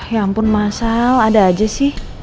ya ampun masal ada aja sih